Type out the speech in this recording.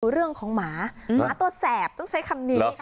เรื่องของหมาหมาตัวแสบต้องใช้คำนี้